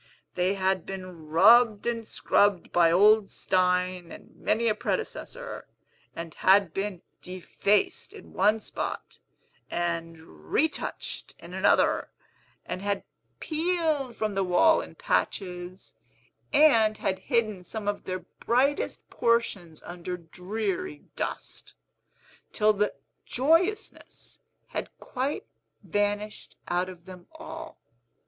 They had been rubbed and scrubbed by old Stein and many a predecessor, and had been defaced in one spot, and retouched in another, and had peeled from the wall in patches, and had hidden some of their brightest portions under dreary dust, till the joyousness had quite vanished out of them all.